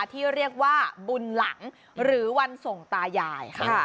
ที่เรียกว่าบุญหลังหรือวันส่งตายายค่ะ